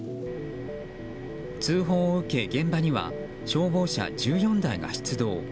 通報を受け、現場には消防車１４台が出動。